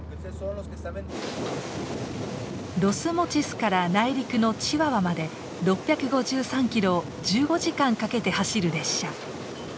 ロス・モチスから内陸のチワワまで６５３キロを１５時間かけて走る列車。